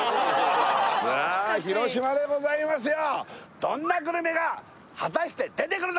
さあ広島でございますよ